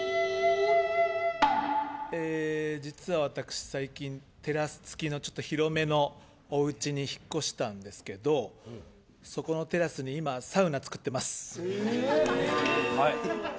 実は私、最近テラス付きの広めのおうちに引っ越したんですけどそこのテラスに今、サウナを作っています。